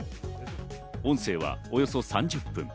音声はおよそ３０分。